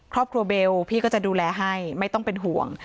เบลพี่ก็จะดูแลให้ไม่ต้องเป็นห่วง